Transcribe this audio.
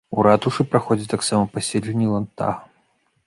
У ратушы праходзяць таксама паседжанні ландтага.